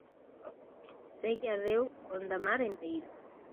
Sei que ardeu Gondomar enteiro!